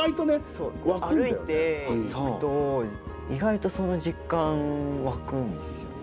そう歩いていくと意外とその実感湧くんですよね。